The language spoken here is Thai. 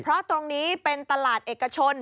เพราะตรงนี้เป็นตลาดเอกชน